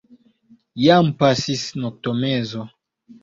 Jam pasis noktomezo.